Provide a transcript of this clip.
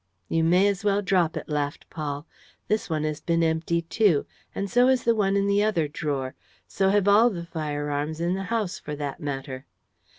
"You may as well drop it," laughed Paul. "This one has been emptied, too; and so has the one in the other drawer: so have all the firearms in the house, for that matter."